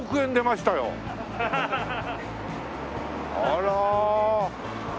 あら。